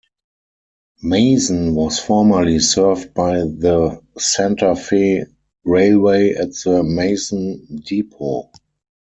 Mazon was formerly served by the Santa Fe railway at the Mazon Depot.